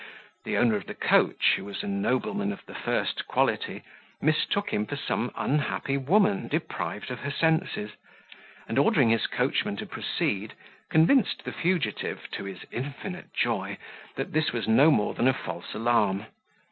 The owner of the coach, who was a nobleman of the first quality, mistook him for some unhappy woman deprived of her senses: and, ordering his coachman to proceed, convinced the fugitive, to his infinite joy, that this was no more than a false alarm.